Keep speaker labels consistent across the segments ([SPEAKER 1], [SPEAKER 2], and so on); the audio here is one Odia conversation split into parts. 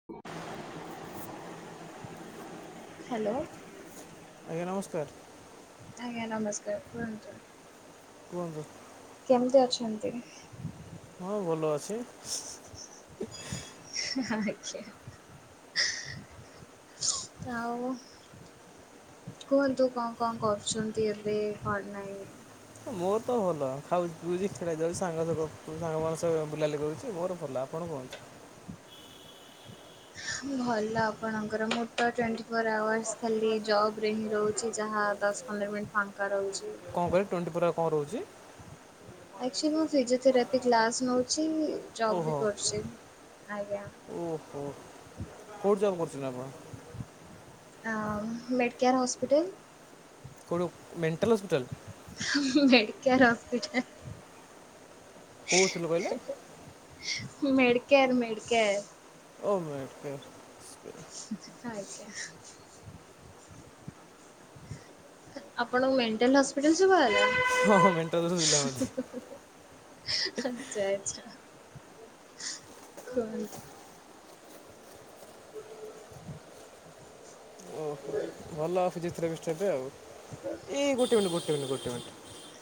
[SPEAKER 1] [inaudible] ହାଲୋ।
[SPEAKER 2] ଆଜ୍ଞା ନମସ୍କାର।
[SPEAKER 1] ଆଜ୍ଞା ନମସ୍କାର କୁହନ୍ତୁ।
[SPEAKER 2] କୁହନ୍ତୁ।
[SPEAKER 1] କେମିତି ଅଛନ୍ତି?
[SPEAKER 2] ହଁ ଭଲ ଅଛି।
[SPEAKER 1] ଆଜ୍ଞା। [unintelligible] ଆଉ କୁହନ୍ତୁ କଣ କଣ କରୁଚନ୍ତି ଏବେ କଣ ନାଇଁ?
[SPEAKER 2] ମୋର ତ ଭଲ ଖାଉଚି ପିଉଚି କିଛି ନାଇଁ ଯାଉଚି ସାଙ୍ଗ ସହ ଗପୁ ସାଙ୍ଗମାନଙ୍କ ସହ ବୁିଲା ବୁଲି କରୁଚି ମୋର ଭଲ। ଆପଣ କୁହ
[SPEAKER 1] ଭଲ ଆପଣଙ୍କର ମୋର ତ ଟ୍ୱଣ୍ଟି ଫୋର୍ ଆୱାର୍ସ ଖାଲି ଜବ୍ ରେ ହିଁ ରହୁଚି ଯାହା ଦଶ ପନ୍ଦର ମିନିଟ୍ ଫାଙ୍କା ରହୁଚି।
[SPEAKER 2] କଣ କହିଲେ ଟ୍ୱଣ୍ଟି ଫୋର ଆ କଣ ରହୁଚି?
[SPEAKER 1] ଅଛି ମୁଁ ଫିଜିଓଥେରାପି କ୍ଲାସ୍ ନଉଚି ଜବ୍ ବି
[SPEAKER 2] ଓହୋ
[SPEAKER 1] କରୁଚି ଆଜ୍ଞା।
[SPEAKER 2] ଓହୋ କୋଉଠି ଜବ୍ କରୁଚନ୍ତି ଆପଣ?
[SPEAKER 1] ଆଉ ମେଡକେୟାର୍ ହସ୍ପିଟାଲ।
[SPEAKER 2] କଣ ମେଣ୍ଟାଲ ହସ୍ପିଟାଲ?
[SPEAKER 1] ମେଡକେୟାର
[SPEAKER 2] କେଉଁ ହସ୍ପିଟାଲ କହିଲେ
[SPEAKER 1] ହସ୍ପିଟାଲ। [unintelligible] Medcare Medcare.
[SPEAKER 2] ଓ ମେଡକେୟାର।
[SPEAKER 1] [unintelligible] ଆଜ୍ଞା। ଆପଣଙ୍କୁ ମେଣ୍ଟାଲ ହ
[SPEAKER 2] ହଁ
[SPEAKER 1] ସ୍ପିଟାଲ
[SPEAKER 2] ମେଣ୍ଟାଲ୍ ହସ୍ପିଟାଲ ମୋତେ
[SPEAKER 1] ଶୁବା ଗଲା। [unintelligible] ଆଚ୍ଛା ଆଚ୍ଛା କୁହନ୍ତୁ। [inaudible]
[SPEAKER 2] ଓହୋ ଭଲ ଅସୁ ଯେଥିରେ ବିଷ୍ଟବେ ଆଉ ଏଇ ଗୋଟେ ମିନିଟ ଗୋଟେ ମିନିଟ୍ ଗୋଟେ ମିନିଟ।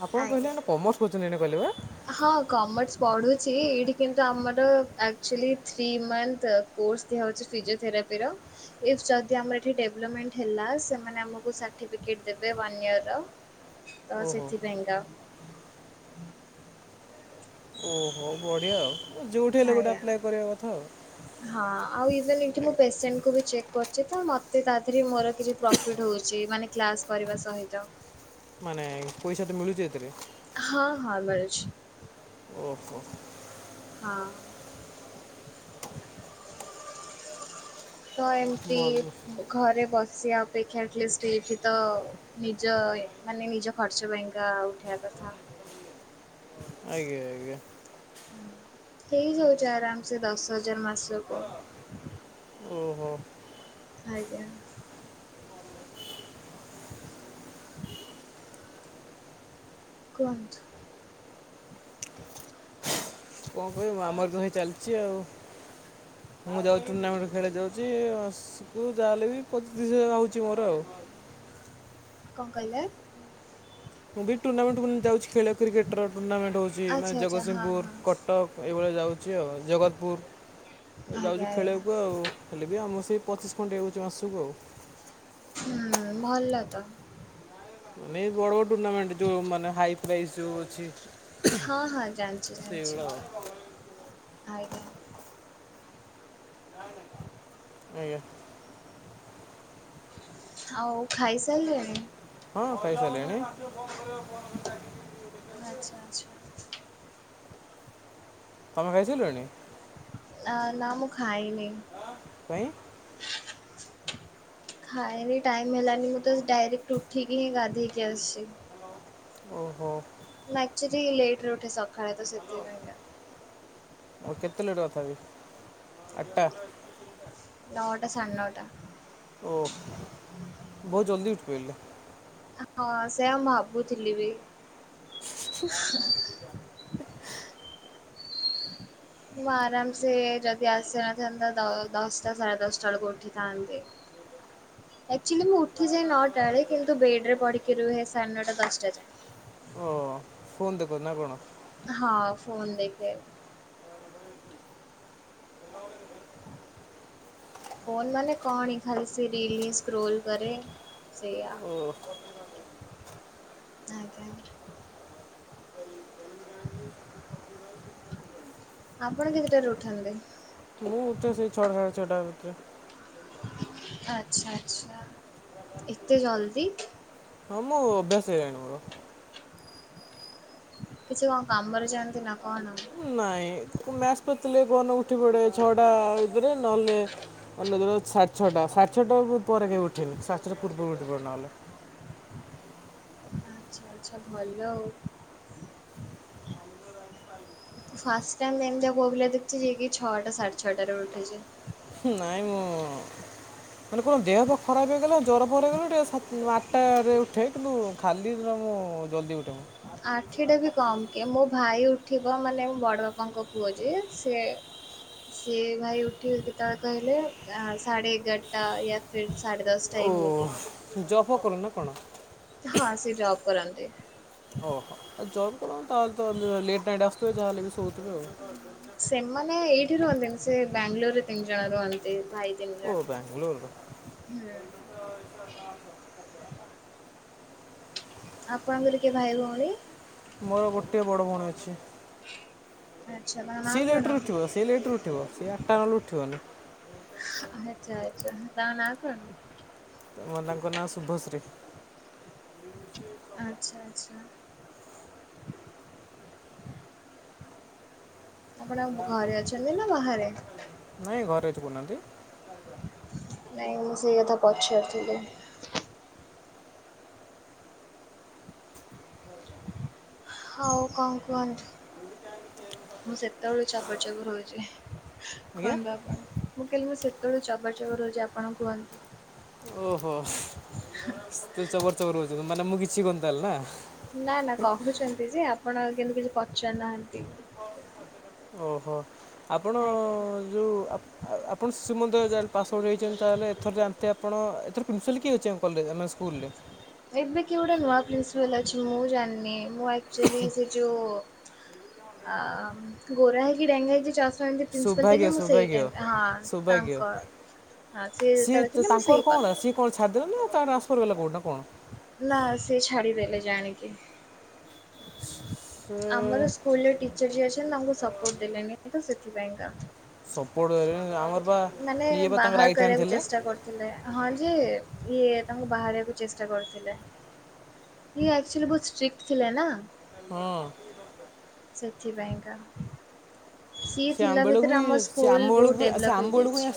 [SPEAKER 2] ଆପଣ
[SPEAKER 1] ଆଜ୍ଞା।
[SPEAKER 2] କହିଲେ ନା କମର୍ସ କରୁଛନ୍ତି ଏଇନା କହିଲେ ବା।
[SPEAKER 1] ହଁ କମର୍ସ ପଢ଼ୁଛି ଏଇଠି କିନ୍ତୁ ଆମର ଆକ୍ଚୁଆଲି ଥ୍ରୀ ମନ୍ଥ କୋର୍ସ ଦିଆହଉଛି ଫିଜିଓଥେରାପିର। ଇଫ ଯଦି ଆମର ଏଠି ଡେଭଲପମେଣ୍ଟ ହେଲା ସେମାନେ ଆମକୁ ସାଟିଫିକେଟ ଦେବେ ୱାନ ଇୟର ର ତ
[SPEAKER 2] ଓହୋ
[SPEAKER 1] ସେଥିପାଇଁ ତ
[SPEAKER 2] ହଉ ବଢ଼ିଆ ଆଉ। ମୁଁ ଯେଉଁଠି ହେଲେ ଗୋଟେ
[SPEAKER 1] ଆଜ୍ଞା
[SPEAKER 2] ଆପ୍ଲାଏ କରିବା କଥା ଆଉ
[SPEAKER 1] ହଁ ଆଉ ଏଇଠି ମୁଁ
[SPEAKER 2] ଆଜ୍ଞା।
[SPEAKER 1] ପେସେଣ୍ଟକୁ ବି ଚେକ ତ ମୋତେ ତା ଦେହରେ ମୋର କିଛି ପ୍ରଫିଟ୍ ହଉଛି ମାନେ କ୍ଲାସ୍ କରିବା ସହିତ।
[SPEAKER 2] ମାନେ ପଇସା ତ ମିଳୁଛି ଏଥିରେ।
[SPEAKER 1] ହଁ ହଁ ମିଳୁଛି।
[SPEAKER 2] ଓହୋ।
[SPEAKER 1] ହଁ। ତ
[SPEAKER 2] ଭଲ
[SPEAKER 1] ଏମିତି ଘରେ ବସିବା ଅପେକ୍ଷା ଆଟଲିଷ୍ଟ ଏଇଠି ତ ନିଜ ମାନେ ନିଜ ଖର୍ଚ୍ଚ ପାଇଁକା ଉଠେଇବା କଥା।
[SPEAKER 2] ଆଜ୍ଞା ଆଜ୍ଞା।
[SPEAKER 1] ହଁ ହେଇଯାଉଛି ଆରାମ ସେ ଦଶ ହଜାର ମାସ କୁ।
[SPEAKER 2] ଓହୋ।
[SPEAKER 1] ଆଜ୍ଞା। କୁହନ୍ତୁ।
[SPEAKER 2] କଣ କହିବୁ ଆମର ତ ହେଇ ଚାଲିଛି ଆଉ। ମୁଁ ଯାଉଛି ଟୁର୍ଣ୍ଣାମେଣ୍ଟ ଖେଳ ଯାଉଛିକୁ ଯାହାେଲେ ବି ପଚିତିଶ ହଜାର ହେଉଛି ମୋର ଆଉ।
[SPEAKER 1] କଣ କହିଲେ?
[SPEAKER 2] ମୁଁ ବି ଟୁର୍ଣ୍ଣାମେଣ୍ଟାନ ଯାଉଛି ଖେଳିବାକୁ କ୍ରିକେଟର ଟୁର୍ଣ୍ଣାମେଣ୍ଟ ହଉଛି ମେ
[SPEAKER 1] ଆଚ୍ଛା ଆଚ୍ଛା ହଁ
[SPEAKER 2] ଜଗତସିଂହପୁର
[SPEAKER 1] ହଁ
[SPEAKER 2] କ କଟକ ଏଇଭଳିଆ ଯାଉଛି ଆଉ ଜଗତପୁର ଯାଉଛି
[SPEAKER 1] ଆଜ୍ଞା ଆଜ୍ଞା
[SPEAKER 2] ଖେଳିବାକୁ ଆଉ। ହେଲେ ବି ଆମର ସେଇ ପଚିଶ ଖଣ୍ଡେ ହେଉଛି ମାସକୁ ଆଉ।
[SPEAKER 1] ହୁଁ ଭଲ ତ।
[SPEAKER 2] ମାନେ ବଡ ବଡ଼ ଟୁର୍ଣ୍ଣାମେଣ୍ଟ ଯୋଉ ମାନେ ହାଇ ପ୍ରାଇସ୍ ଯୋଉ ଅଛି।
[SPEAKER 1] ହଁ ହଁ ଜାଣିଛି ଜାଣିଛି
[SPEAKER 2] ସେଇଗୁଡ଼ା ଆଉ।
[SPEAKER 1] ଆଜ୍ଞା।
[SPEAKER 2] ଆଜ୍ଞା।
[SPEAKER 1] ଆଉ ଖାଇସାଇଲେଣି।
[SPEAKER 2] ହଁ ଖାଈସାଇଲିନି।
[SPEAKER 1] ଆଚ୍ଛା ଆଚ୍ଛା।
[SPEAKER 2] ତମେ ଖାଇସାଇଲଣି।
[SPEAKER 1] ଆ ନା ମୁଁ ଖାଇନି।
[SPEAKER 2] କାଇଁ।
[SPEAKER 1] ଖାଇନି ଟାଇମ ହେଲାନି ମୁଁ ତ ଡାଇରେକ୍ଟ ଉଠିକି ହିଁ ଗାଧେଇକି ଆସିଛି।
[SPEAKER 2] ଓହୋ।
[SPEAKER 1] ନାକ୍ଚୁଆଲି ଲେଟରେ ଉଠେ ସକାଳେ ତ ସେଥିପାଇଁକା।
[SPEAKER 2] ଆଉ କେତେ ଲେଟ କରିଥାନ୍ତି ଆଠଟା।
[SPEAKER 1] ନଅଟା ସାଢେ ନଅଟା।
[SPEAKER 2] ଓ ବହୁତ ଜଲ୍ଦି ଉଠି ପଇଲେ।
[SPEAKER 1] ହଁ ସେୟା ମୁଁ ଆଉ ଭାବୁଥିଲି ବି। ମୁଁ ଆରାମସେ ଯଦି ଆସିନଥାନ୍ତା ଦ ଦଶଟା ସାଢେ ଦଶଟା ବେଳକୁ ଉଠିଥାନ୍ତି। [unintelligible] ଆକ୍ଚୁଲି ମୁଁ ଉଠିଯାଏ ନଅଟାଆଳେ କିନ୍ତୁ ବେଡ୍ ରେ ପଢିକି ରୁହେ ସାଢେ ନଅଟା ଦଶଟା ଯାଏଁ।
[SPEAKER 2] ଓ ହୋ ଫୋନ୍ ଦେଖ ନା କଣ?
[SPEAKER 1] ହଁ ଫୋନ୍ ଦେଖେ। ଫୋନ୍ ମାନେ କଣ ଏଇ ଖାଲି ରିଲ୍ ହିଁ ସ୍କ୍ରୋଲ୍ କରେ ସେଇଆ।
[SPEAKER 2] ଓ ହୋ ହୋ
[SPEAKER 1] ଆଜ୍ଞା ଆପଣ କେତେଟାରୁ ଉଠନ୍ତି?
[SPEAKER 2] ମୁଁ ଉଠେ ସେଇ ଛଅଟା ସାଢେ ଛଅଟା ଭିତରେ।
[SPEAKER 1] ଆଚ୍ଛା ଆଚ୍ଛା ଏତେ ଜଲଦି
[SPEAKER 2] ହଁ ମୁଁ ଅଭ୍ୟାସ ହେଇଗଲାଣି ମୋର।
[SPEAKER 1] କିଛି କଣ କାମରେ ଯାଆନ୍ତି ନା କଣ ଆଉ?
[SPEAKER 2] ନାଇଁ ମ୍ୟାଚ୍ ଫ୍ୟାଚ୍ ଥିଲେ କୋଉଦିନ ଉଠି ପଡେ ଛଅ ଟା ଭିତରେ ନହେଲେ ଅନ୍ୟ ଦିନ ସାଢ଼େ ଛଅଟା ସାଢ଼େ ଛଅଟା କୁ ପରେ କେହି ଉଠେଇବେ ସାଢେ ଛଟା ପୂର୍ବରୁ ଉଠି ପଡୁ ନହେଲେ।
[SPEAKER 1] ଆଚ୍ଛା ଆଚ୍ଛା ଭଲ ଆଉ। ଫାଷ୍ଟ୍ ଟାଇମ୍ ଏମିତିଆ ପୁଅ ପିଲା ଦେଖୁଛି ଯିଏକି ଛଅଟା ସାଢେ ଛଅଟାରେ ଉଠୁଛି।
[SPEAKER 2] ନାଇଁ ମୁଁ ମାନେ କଣ ଦେହ ଫେଅ ଖରାପ ହେଇଗଲେ ଜର ଫର ହେଇଗଲେ ଟିକେ ସ ଆଠଟାରେ ଉଠେ କିନ୍ତୁ ଖାଲି ଦିନ ମୁଁ ଜଲ୍ଦି ଉଠେ ମ
[SPEAKER 1] ଆଠେଟା ବି କମ୍ କି ମୋ ଭାଇ ଉଠିବ ମାନେ ବଡ ବାପାଙ୍କ ପୁଅ ଯିଏ ସେ ସିଏ ଭାଇ ଉଠିବ କେତେବେଳେ କହିଲେ ସାଢ଼େ ଏଗାର ଟା ୟା ଫିର୍ ସାଢ଼େ ଦଶଟା
[SPEAKER 2] ଓ
[SPEAKER 1] ଏମିତି।
[SPEAKER 2] ଜବ୍ ଫବ୍ କରନ୍ତି ନା କଣ?
[SPEAKER 1] ହଁ ସେ ଯବ୍ କରନ୍ତି।
[SPEAKER 2] ଓହୋ ଆଉ ଜବ୍ କରନ୍ତି ତାହେଲେ ତ ଲେଟ୍ ନାଇଟ୍ ଆସୁଥିବେ ଯାହେଲେ ବି ଶୋଉଥିବେ ଆଉ।
[SPEAKER 1] ସେମାନେ ଏଇଠି ରୁହନ୍ତିନି ସେ ବାଙ୍ଗାଲୋର୍ ରେ ତିନି ଜଣ ରୁହନ୍ତି ଭାଇ ତିନି
[SPEAKER 2] ଓ ବାଙ୍ଗଲୋର
[SPEAKER 1] ଜଣ। ହୁଁ ଆପଣଙ୍କର କିଏ ଭାଇ ଭଉଣୀ।
[SPEAKER 2] ମୋର ଗୋଟିଏ ବଡ଼ ଭଉଣୀ ଅଛି।
[SPEAKER 1] ଆଚ୍ଛା ତାଙ୍କ ନାଁ
[SPEAKER 2] ସିଏ
[SPEAKER 1] କଣ?
[SPEAKER 2] ଲେଟ୍ ରେ ଉଠିବ ସିଏ ଲେଟ୍ ରେ ଉଠିବ ସିଏ ଆଠଟା ନହେଲେ ଉଠିବନି
[SPEAKER 1] ଆଚ୍ଛା ଆଚ୍ଛା ତାଙ୍କ ନା କଣ?
[SPEAKER 2] ତାଙ୍କ ନାଁ ଶୁଭଶ୍ରୀ।
[SPEAKER 1] ଆଚ୍ଛା ଆଚ୍ଛା ଆପଣ ଘରେ ଅଛନ୍ତି ନା ବାହାରେ?
[SPEAKER 2] ନାଇଁ ଘରେ ଅଛି କହୁନାହାନ୍ତି।
[SPEAKER 1] ନାଇଁ ମୁଁ ସେଇ କଥା ପଚାରୁଥିଲି ହଉ କଣ କୁହନ୍ତୁ ମୁଁ ସେତେବେଳୁ ଚପର୍ ଚପର୍ ହଉଛି।
[SPEAKER 2] ଆଜ୍ଞା
[SPEAKER 1] କୁହନ୍ତୁ ଆପଣ ମୁଁ କହିଲି ମୁଁ ସେତେବେଳୁ ଚବର୍ ଚବର୍ ହଉଛି ଆପଣ କୁହନ୍ତୁ?
[SPEAKER 2] ଓହୋ ତୁ ଚବର୍ ଚବର୍ ହଉଛୁ ମାନେ ମୁଁ କିଛି କହୁନି ତାହେଲେ ନା?
[SPEAKER 1] ନା ନା କହୁଛନ୍ତି ଯେ ଆପଣ କିନ୍ତୁ କିଛି ପଚାରୁ ନାହାନ୍ତି।
[SPEAKER 2] ଓହୋ ଆପଣ
[SPEAKER 1] ଆଜ୍ଞା।
[SPEAKER 2] ଯୋଉ ଆଉ ଆପଣ ଶିଶୁ ମନ୍ଦିର ଯାହା ହେଲେ ପାସ୍ ଆଉଟ୍ ହେଇଛନ୍ତି ତାହେଲେ ଏଥର ଯାନ୍ତେ ଆପଣ ଏଥର ପ୍ରିନ୍ସିପାଲ୍ କିଏ ଅଛି ଏମେ ସ୍କୁଲରେ
[SPEAKER 1] ଏବେ କି ଗୋଟେ ନୂଆ ପ୍ରିନ୍ସପାଲ୍ ଅଛି ମୁଁ ଜାଣିନି ମୁଁ ଆକ୍ଚୁଲି ସେ ଯୋଉ ଅ ଗୋରା ହେଇକି ଡେଙ୍ଗା ହେଇକି ଚସ୍ ପ୍ରିନ୍ପାଲ
[SPEAKER 2] ସୌଭାଗ୍ୟ
[SPEAKER 1] ଥିଲେ ମୁଁ ସେଇ
[SPEAKER 2] ସୌଭାଗ୍ୟ
[SPEAKER 1] ଟାଇ ହଁ
[SPEAKER 2] ସୌଭାଗ୍ୟ
[SPEAKER 1] ତାଙ୍କ ହଁ ସେ
[SPEAKER 2] ସିଏ
[SPEAKER 1] ଯେତେବେଳେ
[SPEAKER 2] ତ-
[SPEAKER 1] ଥିଲେ ମୁଁ
[SPEAKER 2] ତାଙ୍କର
[SPEAKER 1] ସେଇ
[SPEAKER 2] କ'ଣ ହେଲା
[SPEAKER 1] ପାସ୍
[SPEAKER 2] ସିଏ
[SPEAKER 1] ଆଉଟ୍
[SPEAKER 2] କଣ ଛଡ଼ିଦେବେ ନା ତା ଟ୍ରାନ୍ଫର ହେଲା କୋଡ଼ୁନା କଣ
[SPEAKER 1] ନା ସିଏ ଛାଡିଦେଲେ ଜାଣିକି।
[SPEAKER 2] ସେ
[SPEAKER 1] ଆମର ସ୍କୁଲରେ ଟିଚର ଯିଏ ଅଛନ୍ତି ତାଙ୍କୁ ସପୋର୍ଟ ଦେଲେନି ତ ସେଥିପାଇଁ କା।
[SPEAKER 2] ସପୋର୍ଟ ଆମର ବା
[SPEAKER 1] ମାନେ
[SPEAKER 2] ଇଏ ବା ତାଙ୍କ
[SPEAKER 1] ବାହାର
[SPEAKER 2] ରାଇଟ୍ ହ୍ୟାଣ୍ଡ
[SPEAKER 1] କରିବାକୁ
[SPEAKER 2] ଥିଲେ।
[SPEAKER 1] ଚେଷ୍ଟା ହଁ ଯେ ଇଏ ତାଙ୍କୁ ବାହାରିବାକୁ ଚେଷ୍ଟା କରୁଥିଲେ। ସିଏ ଅକ୍ଚୁଆଲି ବହୁତ ଷ୍ଟ୍ରିଟ ଥିଲେ ନା।
[SPEAKER 2] ହଁ
[SPEAKER 1] ସେଥିପାଇଁ କା ସିଏ
[SPEAKER 2] ସେ ଆମ
[SPEAKER 1] ଥିଲା
[SPEAKER 2] ବେଳକୁ
[SPEAKER 1] ଭିତରେ
[SPEAKER 2] ବି
[SPEAKER 1] ଆମ
[SPEAKER 2] ସେ
[SPEAKER 1] ସ୍କୁଲ
[SPEAKER 2] ଆମ
[SPEAKER 1] ବହୁତ
[SPEAKER 2] ବେଳକୁ ସେ
[SPEAKER 1] ଡେଭଲପ
[SPEAKER 2] ଆମ
[SPEAKER 1] ହେଇଯାଇଛି।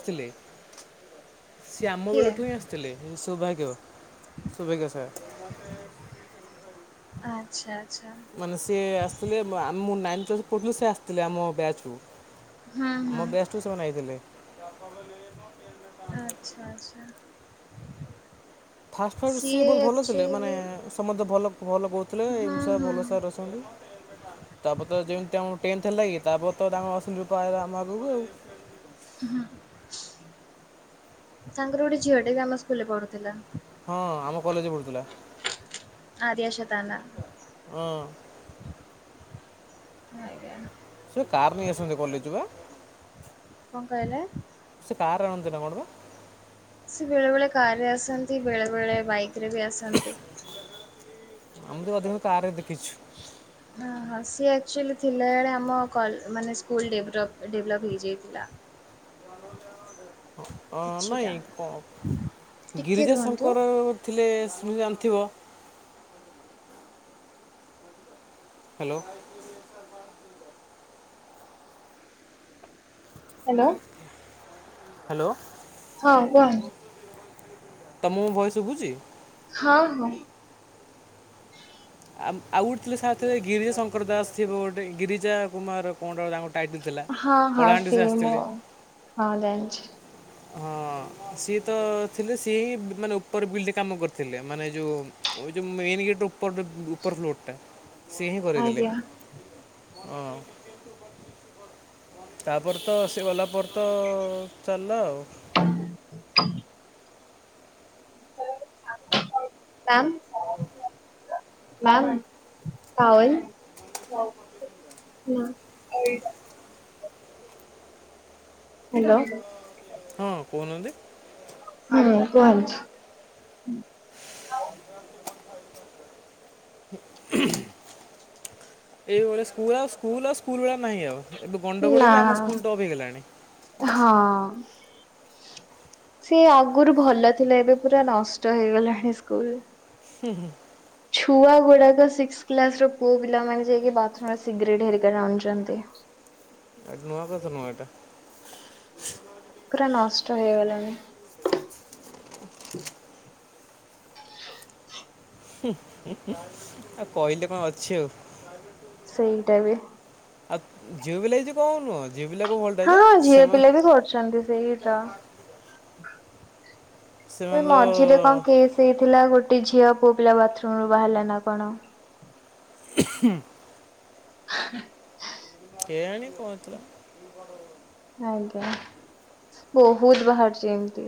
[SPEAKER 2] ସିଏ ଆମ
[SPEAKER 1] କିଏ
[SPEAKER 2] ବେଳଠୁ ହିଁ ଆସିଥିଲେ। ସୌଭାଗ୍ୟ ସୌଭାଗ୍ୟ ସାର୍।
[SPEAKER 1] ଆଚ୍ଛା ଆଚ୍ଛା।
[SPEAKER 2] ମାନେ ସିଏ ଆସିଥିଲେ ମୁଁ ନାଇନ୍ ପ୍ଲାସ ପଢ଼ୁଥିଲି ସେ ଆସିଥିଲେ ଆମ ବ୍ୟାଚ କୁ।
[SPEAKER 1] ହୁଁ ହୁଁ।
[SPEAKER 2] ଟୁ ସେମାନେ ଆଇଥିଲେ। ତା ବାପା କହିଲେ।
[SPEAKER 1] ଆଚ୍ଛା ଆଚ୍ଛା।
[SPEAKER 2] ଫାଷ୍ଟ ଫାଷ୍ଟ ସି
[SPEAKER 1] ସିଏ
[SPEAKER 2] ବହୁତ ଭଲ ଥିଲେ ମାନେ
[SPEAKER 1] ଆକ୍ଚୁଆଲି
[SPEAKER 2] ସମସ୍ତେ ଭଲ ଭଲ କହୁଥିଲେ
[SPEAKER 1] ହୁଁ
[SPEAKER 2] ଏମ
[SPEAKER 1] ହୁଁ।
[SPEAKER 2] ଭଲ ସାର୍ ବଲୁ [inaudible] ତାପରେ ତ ଯେମିତି ଆମ ଟେନ୍ଥ ହେଲା କି ତାପରେ ତ ତାଙ୍କର ଅଛନ୍ତି ରଲା ଆମ ଆଗକୁ ଆଉ।
[SPEAKER 1] ହଁ ତାଙ୍କର ଗୋଟେ ଝିଅ ଟେ ବି ଆମ ସ୍କୁଲରେ ପଢୁଥିଲା।
[SPEAKER 2] ହଁ ଆମ କଲେଜରେ ପଢ଼ୁଥିଲା।
[SPEAKER 1] ଆରିଆ ସତାନା।
[SPEAKER 2] ହଁ।
[SPEAKER 1] ଆଜ୍ଞା
[SPEAKER 2] ସେ କାର ନେଇ ଆସନ୍ତି କଲେଜ କୁ ବା।
[SPEAKER 1] କଣ କହିଲେ?
[SPEAKER 2] ସେ କାର୍ ଆଣନ୍ତି ନା କଣ ବା
[SPEAKER 1] ସେ ବେଳେ ବେଳେ କାରରେ ଆସନ୍ତି ବେଳେ ବେଳେ ବାଇକ ରେ ବି ଆସନ୍ତି।
[SPEAKER 2] ଆମେ ବି ଅଧିକ କାରରେ ଦେଖିଛୁ।
[SPEAKER 1] ହ ହଁ ସିଏ ଆକ୍ଚୁଆଲି ଥିଲାବେଳେ ଆମ କଲ ମାନେ ସ୍କୁଲ୍ ଡେଭଲପ୍ ଡେଭଲପ୍ ହେଇଯାଇଥିଲା।
[SPEAKER 2] ହଁ ନହିଁ
[SPEAKER 1] କିଛିଟା
[SPEAKER 2] କ
[SPEAKER 1] ଟିକେ
[SPEAKER 2] ଗିରିଜା
[SPEAKER 1] ରୁହନ୍ତୁ।
[SPEAKER 2] ଶଙ୍କର ଥିଲେ ଜାଣିଥିବ। ହ୍ୟାଲୋ।
[SPEAKER 1] ହ୍ୟାଲୋ।
[SPEAKER 2] ହ୍ୟାଲୋ।
[SPEAKER 1] ହଁ କୁହନ୍ତୁ।
[SPEAKER 2] ତମକୁ ଭୟସ ଶୁଭୁଛି।
[SPEAKER 1] ହଁ ହଁ।
[SPEAKER 2] ଆ ଆଉ ଗୋଟେ ଥିଲେ ସ ଥିଲେ ଗିରିଜା ଶଙ୍କର ଦାସ ଥିବ ଗୋଟେ ଗିରିଜା କୁମାର କଣ ର ତା ଗୋଟେ ଟାଇଟିଥିଲା
[SPEAKER 1] ହଁ ହଁ
[SPEAKER 2] କଳାହାଣ୍ଡିରୁ ସେ
[SPEAKER 1] ସିଏ ମୁଁ
[SPEAKER 2] ଆସିଥିଲେ।
[SPEAKER 1] ହଁ ଜାଣିଛି।
[SPEAKER 2] ହଁ
[SPEAKER 1] [inaudible]
[SPEAKER 2] ସିଏ ତ ଥିଲେ ସିଏ ହିଁ ମାନେ ଉପର ବିଲଡ କାମ କରିଥିଲେ ମାନେ ଯୋଉ ଓ ଯଉ ମେନ୍ ଗେଟ୍ ଉପର ଉପର ଫ୍ଲୋଟ। ସିଏ ହିଁ କରିଇଦେଲେ
[SPEAKER 1] ଆଜ୍ଞା
[SPEAKER 2] ହଁ। ତାପରେତ ସେଗଲା ପରେତ ଚାଲିଲ ଆଉ।
[SPEAKER 1] [inaudible] କାମ୍ ମାମ୍ ଟାଓଲ୍ ହୁଁ। ହାଲୋ।
[SPEAKER 2] ହଁ କହୁନାନ୍ତି।
[SPEAKER 1] ହଁ କୁହନ୍ତୁ।
[SPEAKER 2] [inaudible] ଏଇଭଳିଆ ସ୍କୁଲ୍ ଆଉ ସ୍କୁଲ୍ ଆଉ ସ୍କୁଲ ଭଳିଆ ନାହିଁ ଆଉ। ଏବେ
[SPEAKER 1] ନା
[SPEAKER 2] ଗଣ୍ଡଗୋଳବି ଆମ ସ୍କୁଲ୍ ଟପ୍ ହେଇଗଲାଣି।
[SPEAKER 1] ହଁ। ସେ ଆଗରୁ ଭଲ ଥିଲା ଏବେ ପୁରା ନଷ୍ଟ ହେଇଗଲାଣି ସ୍କୁଲ୍।
[SPEAKER 2] ହୁଁ ହୁଁ।
[SPEAKER 1] ଛୁଆ ଗୁଡ଼ାକ ସିକ୍ କ୍ଲାସ୍ ପୁଅ ପିଲାମାନେ ଯାଇକି ବାଥ୍ରୁମୁରେ ସିଗାରେଟ୍ ହେରିକା ଟାଣୁଚନ୍ତି।
[SPEAKER 2] ଏ ନୂଆ କଥା ନୁହେଁ ଏଟା।
[SPEAKER 1] ପୁରା ନଷ୍ଟ ହେଇଗଲେଣି। [inaudible]
[SPEAKER 2] ହୁ ହୁ ଆଉ କହିଲେ କଁ ଅଛି ଆଉ। [unintelligible]
[SPEAKER 1] ସେଇଟାବି
[SPEAKER 2] ଆଉ ଝିଅ ପିଲାବି କିଛି କମ୍ ନୁହଁ। ଝିଅପିଲାକୁ ଭଲଟା
[SPEAKER 1] ହଁ
[SPEAKER 2] ଯେ
[SPEAKER 1] ଝିଅ
[SPEAKER 2] ସେମାନେ
[SPEAKER 1] ପିଲାବି କରୁଚନ୍ତି ସେଇତ। ଏଇ
[SPEAKER 2] ସେମାନେ ତ
[SPEAKER 1] ମଝିରେ କଣ କେସ୍ ହେଇଥିଲା ଗୋଟେ ଝିଅ ପୁଅ ପିଲା ବାଥରୁମରୁ ବାହାରିଲାନା କଣ।
[SPEAKER 2] [inaudible]
[SPEAKER 1] [inaudible]
[SPEAKER 2] କେଆଣି କଁ ହେଇଥିଲା।
[SPEAKER 1] ଆଜ୍ଞା ବହୁତ୍ ବାହାରୁଚି ଏମିତି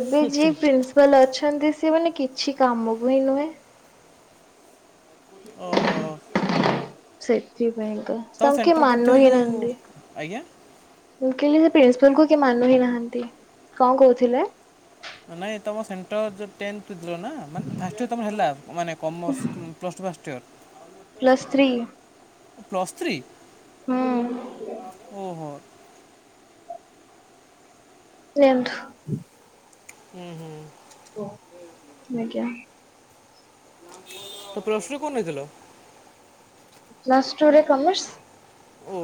[SPEAKER 1] ଏବେ ଯିଏ ପି ପାଲ୍ ଅଛନ୍ତି ସିଏମାନେ କିଛି କାମକୁହିଁ ନୁହେଁ।
[SPEAKER 2] ଓହୋ।
[SPEAKER 1] ସେଥିପାଇଁକା
[SPEAKER 2] ତମ
[SPEAKER 1] ତାଙ୍କେ
[SPEAKER 2] ସେଣ୍ଟର ପଡ଼ିଥିବ
[SPEAKER 1] ମାନୁହିଁ
[SPEAKER 2] ଯେଉଁ
[SPEAKER 1] ନାହାନ୍ତି।
[SPEAKER 2] ଆଜ୍ଞା
[SPEAKER 1] ମୁଁ କହିଲି ସେପ୍ରିନ୍ସିପାଲକୁ କିଏ ମାନୁହିଁ ନାହାନ୍ତି କଁ କହୁଥିଲେ?
[SPEAKER 2] ନାଇଁ ତମ ସେଣ୍ଟର ଯେଉଁ ଟେନ୍ [unintelligible] ମାନେ ଫାଷ୍ଟଇଅର ତମର ହେଲା ମାନେ commerce plus two first year?
[SPEAKER 1] Plus three.
[SPEAKER 2] Plus three
[SPEAKER 1] ହୁଁ।
[SPEAKER 2] ଓହୋ।
[SPEAKER 1] ନିଅନ୍ତୁ।
[SPEAKER 2] ହୁଁ ହୁଁ।
[SPEAKER 1] ଓ ଆଜ୍ଞା।
[SPEAKER 2] ତ ପ୍ଲସ୍ ଟୁ କୋଉଠି ନେଇଥିଲ?
[SPEAKER 1] ପ୍ଲସ୍ ଟୁରେ କାମର୍ସ।
[SPEAKER 2] ଓ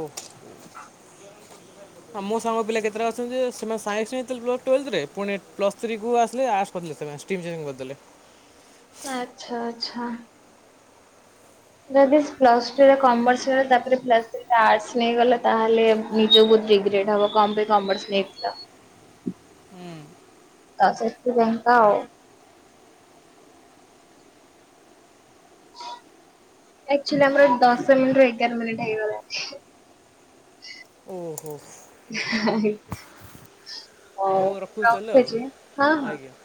[SPEAKER 1] [inaudible]
[SPEAKER 2] ହଁ ମୋସାଙ୍ଗ ପିଲା କେତେଟା ଅଛନ୍ତିଯେ ସେମାନେ ସାଇନ୍ସ ନେଇଥିଲେ ପ୍ଲସ୍ ଟୁଏଲ୍ଭରେ ପୁଣି ପ୍ଲସ୍ ଥ୍ରୀକୁ ଆସିଲେ ଆର୍ଟସ କରିଦେଲେ ସେ ମାଷ୍ଟିଙ୍ଗି ଜିଂ କରିଦେଲେ
[SPEAKER 1] ଆଛା ଆଛା ଯଦି ପ୍ଲସ୍ ଟୁରେ କମର୍ସ ରେ ତାପରେ ପ୍ଲସ୍ ଥ୍ରୀରେ ଆର୍ଟସ ନେଇଗଲା ତାହେଲେ ନିଜକୁ ରିଗ୍ରେଟ ହବ କଣ ପାଇଁ କମର୍ସ ନେଇଥିଲ। ତ ସେଥିପାଇଁ ତ ଆଉ ଆଚୁଆଲି ଆମର ଦଶ ମିନିଟ ର ଏଗାର ମିନିଟ୍ ହେଇଗଲା।
[SPEAKER 2] ଓହୋ
[SPEAKER 1] ଓ
[SPEAKER 2] ହଉ ରଖୁଛି ତାହେଲେ ଆଉ
[SPEAKER 1] ରଖଛି ହଁ ହଁ।
[SPEAKER 2] ଆଜ୍ଞା